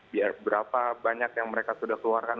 biar berapa banyak yang mereka sudah keluarkan